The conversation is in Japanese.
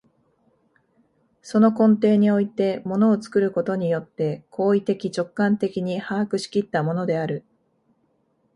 その根底において物を作ることによって行為的直観的に把握し来ったものである。